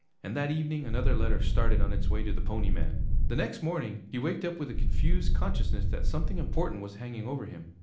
And that evening another letter started on its way to the Pony Man. The next morning he waked up with a confused consciousness that something important was hanging over him.